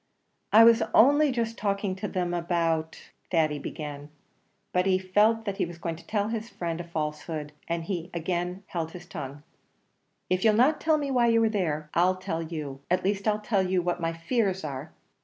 "I was only just talking to them about " Thady began; but he felt that he was going to tell his friend a falsehood, and again held his tongue. "If you'll not tell me why you were there, I'll tell you; at least, I'll tell you what my fears are.